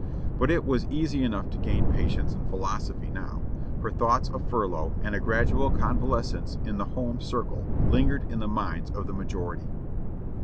But it was easy enough to gain patience and philosophy now, for thoughts of furlough and a gradual convalescence in the home circle lingered in the minds of the majority.